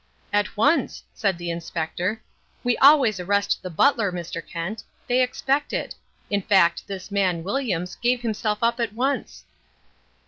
"At once," said the Inspector. "We always arrest the butler, Mr. Kent. They expect it. In fact, this man, Williams, gave himself up at once."